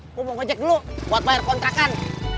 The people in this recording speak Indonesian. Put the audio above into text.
ngomong ojek dulu buat bayar kontrakan